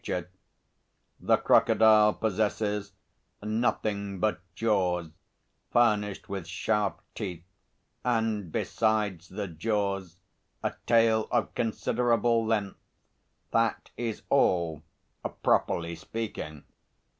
The crocodile possesses nothing but jaws furnished with sharp teeth, and besides the jaws, a tail of considerable length that is all, properly speaking.